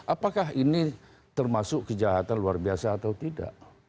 apakah ini termasuk kejahatan luar biasa atau tidak